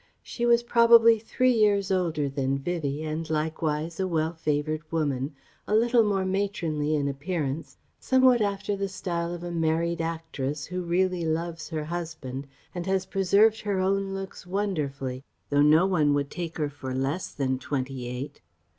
She was probably three years older than Vivie and likewise a well favoured woman, a little more matronly in appearance, somewhat after the style of a married actress who really loves her husband and has preserved her own looks wonderfully, though no one would take her for less than twenty eight.